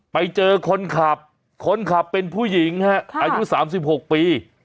ไปเจอคนขับคนขับเป็นผู้หญิงฮะอายุ๓๖ปี